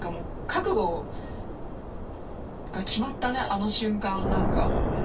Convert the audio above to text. あの瞬間なんか。